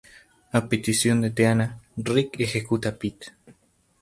A petición de Deanna, Rick ejecuta a Pete.